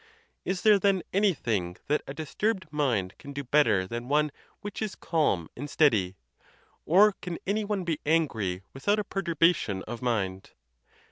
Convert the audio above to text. Is there, then, anything that a disturbed mind can do bet ter than one which is calm and steady? Or can any one be angry without a perturbation of mind?